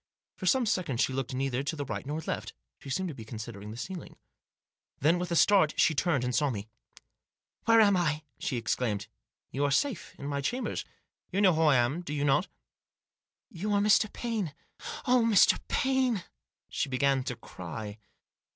For some seconds she looked neither to the right nor left. She seemed to be considering the ceiling. Then, with a start, she turned and saw me. " Where am I ?" she exclaimed. " You are safe in my chambers. You know who I am, do you not ?"" You are Mr. Paine. Oh, Mr. Paine !" She began to cry.